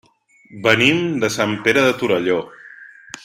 Venim de Sant Pere de Torelló.